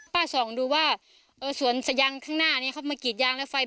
พ่อแบมนี่แหละ